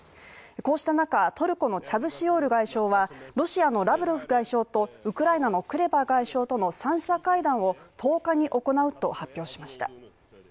こうした中、トルコのチャブシオール外相はロシアのラブロフ外相とウクライナのクレバ外相との三者会談を１０日に行うと発表しました。